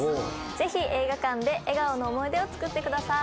ぜひ、映画館で笑顔の思い出を作ってください。